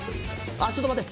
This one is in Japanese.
あっちょっと待って！